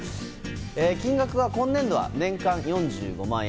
金額は今年度は年間４５万円。